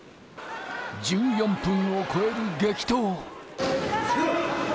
１４分を超える激闘。